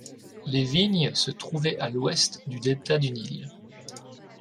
Les vignes se trouvaient à l'ouest du delta du Nil.